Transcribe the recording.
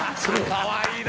かわいいな。